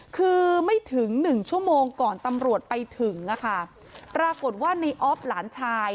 คือไม่ถึงหนึ่งชั่วโมงก่อนตำรวจไปถึงอะค่ะปรากฏว่าในออฟหลานชาย